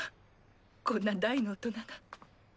こんな大の大人が。